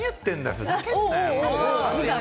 ふざけんな！